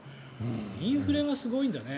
インフレがすごいんだね。